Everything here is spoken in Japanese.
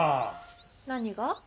何が？